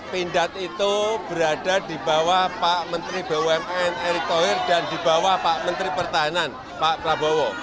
pindad itu berada di bawah pak menteri bumn erick thohir dan di bawah pak menteri pertahanan pak prabowo